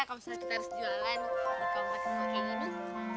kalo misalnya kita harus jualan ide kamu makasih banyak kayak gini dong